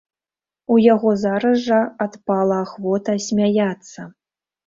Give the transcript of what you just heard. У яго зараз жа адпала ахвота смяяцца.